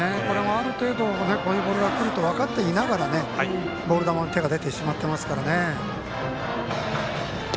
ある程度こういうボールがくると分かっていながらボール球に手が出てしまっていますからね。